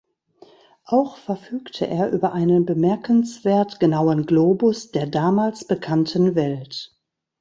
Auch verfügte er über einen bemerkenswert genauen Globus der damals bekannten Welt.